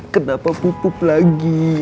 kenapa pupuk lagi